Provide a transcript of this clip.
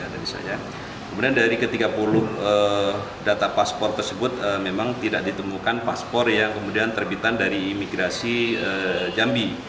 data paspor tersebut memang tidak ditemukan paspor yang kemudian terbitan dari imigrasi jambi